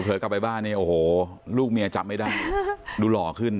แต่เผลอกลับไปบ้านโอ้โหลูกเมียจับไม่ได้ดูหล่อขึ้น